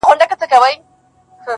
لذت پروت وي,